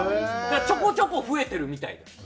だからちょこちょこ増えてるみたいです。